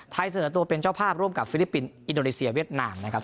เสนอตัวเป็นเจ้าภาพร่วมกับฟิลิปปินส์อินโดนีเซียเวียดนามนะครับ